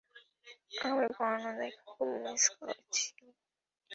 আমি পর্ণ দেখা খুব মিস করছি।